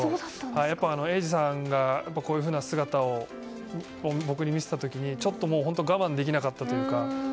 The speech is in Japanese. やっぱり永嗣さんがこういう姿を僕に見せた時に、ちょっと我慢できなかったというか。